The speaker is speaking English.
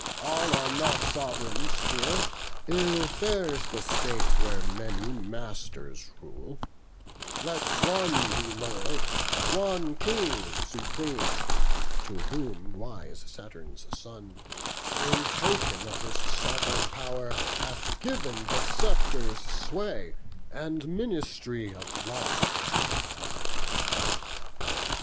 All are not sovereigns here: ill fares the state Where many masters rule; let one be Lord, One King supreme; to whom wise Saturn's son In token of his sov'reign power hath giv'n The sceptre's sway and ministry of law."